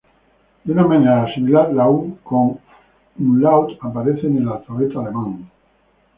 De una manera similar, la U con umlaut aparece en el alfabeto alemán.